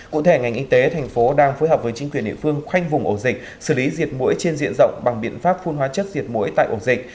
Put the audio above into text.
cụ thể ngành y tế thành phố đang phối hợp với chính quyền địa phương khoanh vùng ổ dịch xử lý diệt mũi trên diện rộng bằng biện pháp phun hóa chất diệt mũi tại ổ dịch